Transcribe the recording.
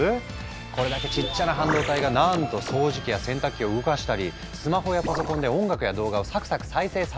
これだけちっちゃな半導体がなんと掃除機や洗濯機を動かしたりスマホやパソコンで音楽や動画をサクサク再生させたり。